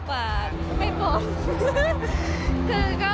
ก็เข้าใจได้แหล่ะค่ะ